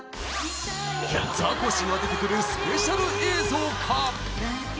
ザコシが出てくるスペシャル映像か？